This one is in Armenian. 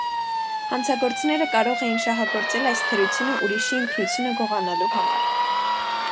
Հանցագործները կարող էին շահագործել այս թերությունը ուրիշի ինքնությունը գողանալու համար։